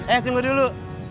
eh tunggu dulu